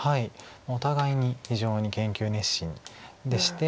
お互いに非常に研究熱心でして。